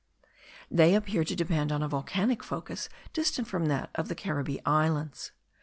They appear to depend on a volcanic focus distant from that of the Caribbee Islands.